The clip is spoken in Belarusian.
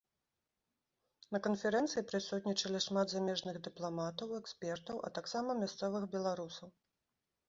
На канферэнцыі прысутнічалі шмат замежных дыпламатаў, экспертаў, а таксама мясцовых беларусаў.